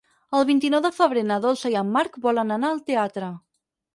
El vint-i-nou de febrer na Dolça i en Marc volen anar al teatre.